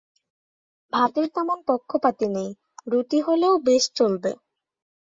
ভাতের তেমন পক্ষপাতী নই, রুটি হলেও বেশ চলবে।